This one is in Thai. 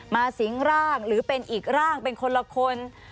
สิงร่างหรือเป็นอีกร่างเป็นคนละคน